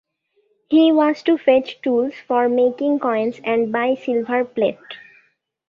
He was to fetch tools for making coins and buy silver plate.